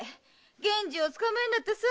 源次を捕まえるんだってさ！